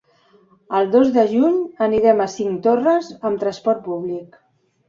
El dos de juny anirem a Cinctorres amb transport públic.